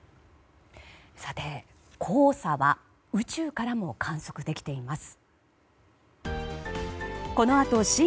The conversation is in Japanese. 黄砂は宇宙からも観測できています。